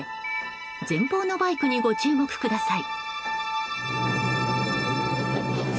前方のバイクにご注目ください。